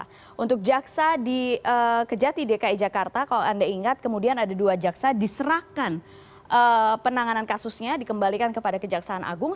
nah untuk jaksa di kejati dki jakarta kalau anda ingat kemudian ada dua jaksa diserahkan penanganan kasusnya dikembalikan kepada kejaksaan agung